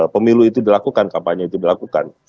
pemilu itu dilakukan kampanye itu dilakukan